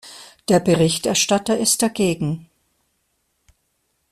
Der Berichterstatter ist dagegen.